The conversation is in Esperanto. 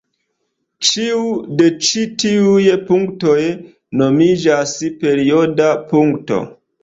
Ĉiu de ĉi tiuj punktoj nomiĝas perioda punkto.